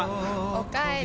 おかえり。